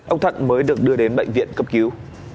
ông thuận mới được đưa đến bệnh viện cấp cứu